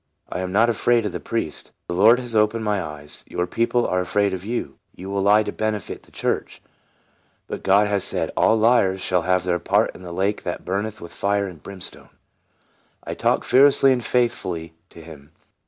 I am not afraid of the priest. The Lord has open ed my eyes. Your people are afraid of you. You will lie to benefit the church; but God has said, ' All liars shall have their part in the lake that burneth with fire and brimstone.'" I talked fearlessly and faithfully to him.